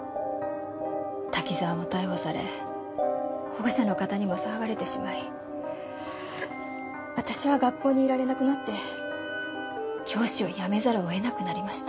滝沢も逮捕され保護者の方にも騒がれてしまい私は学校にいられなくなって教師を辞めざるを得なくなりました。